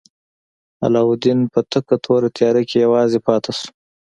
علاوالدین په تکه توره تیاره کې یوازې پاتې شو.